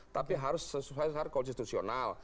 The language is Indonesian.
tapi harus sesuai syarat konstitusional